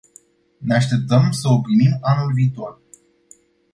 Ne așteptăm să o primim anul viitor.